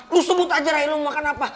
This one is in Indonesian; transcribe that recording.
lo sebut aja rai lo mau makan apa